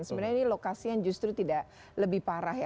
sebenarnya ini lokasi yang justru tidak lebih parah ya